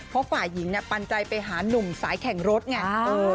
เพราะฝ่ายหญิงปันใจไปหานุ่มสายแข่งรถไง